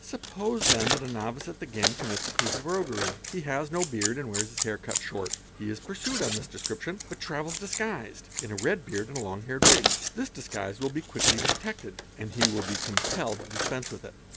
Suppose then that a novice at the game commits a piece of roguery ; he has no beard and wears his hair cut short; he is pursued on this description but travels disguised in a red beard and a long haired wig. This disguise will be quickly detected and he will be compelled to dispense _ with it.